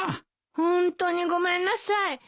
ホントにごめんなさい。